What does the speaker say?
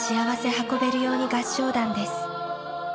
運べるように合唱団」です。